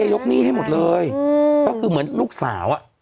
พี่เอยกหนี้ให้หมดเลยเพราะคือเหมือนลูกสาว